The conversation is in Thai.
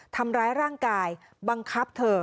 ทำร้ายร่างกายบังคับเธอ